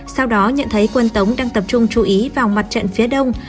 sau đó nhận thấy quân tống đang tập trung chú ý vào mặt trận phía đông